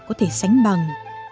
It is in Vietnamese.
có thể sánh bằng